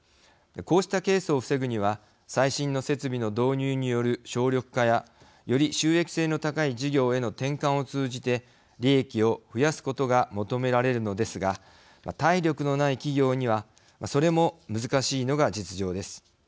こうしたケースを防ぐには最新の設備の導入による省力化やより収益性の高い事業への転換を通じて利益を増やすことが求められるのですが体力のない企業にはそれも難しいのが実情です。